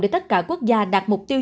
để tất cả quốc gia đạt mục tiêu